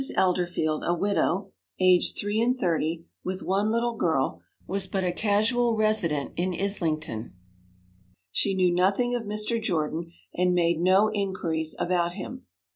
Elderfield, a widow, aged three and thirty, with one little girl, was but a casual resident in Islington; she knew nothing of Mr. Jordan, and made no inquiries about him.